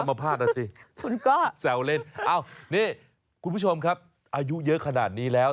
มาพลาดอ่ะสิคุณก็แซวเล่นอ้าวนี่คุณผู้ชมครับอายุเยอะขนาดนี้แล้ว